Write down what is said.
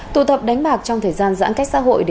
tụ tập đánh bạc trong thời gian giãn cách xã hội